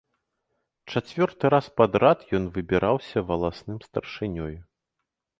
Чацвёрты раз падрад ён выбіраўся валасным старшынёю.